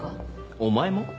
お前も？